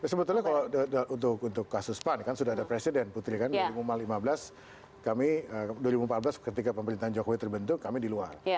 sebetulnya kalau untuk kasus pan kan sudah ada presiden putri kan dua ribu lima belas kami dua ribu empat belas ketika pemerintahan jokowi terbentuk kami di luar